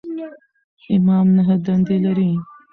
امام نهه دندې لري.